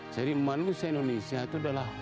jadi manusia indonesia itu adalah